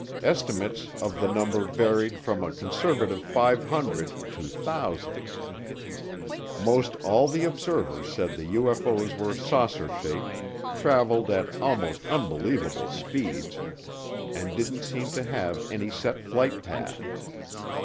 Estimates of the number varied from a conservative 500 to "thousands." Most all the observers said the UFO's were saucer shaped, traveled at almost unbelievable speeds, and didn't seem to have any set flight path.